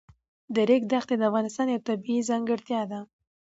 د ریګ دښتې د افغانستان یوه طبیعي ځانګړتیا ده.